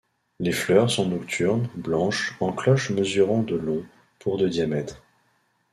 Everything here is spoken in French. Les fleurs sont nocturnes, blanche, en cloches mesurant de long pour de diamètre.